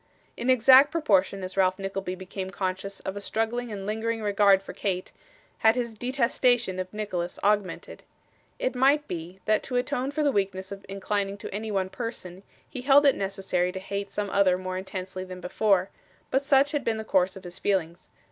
In exact proportion as Ralph Nickleby became conscious of a struggling and lingering regard for Kate, had his detestation of Nicholas augmented. It might be, that to atone for the weakness of inclining to any one person, he held it necessary to hate some other more intensely than before; but such had been the course of his feelings.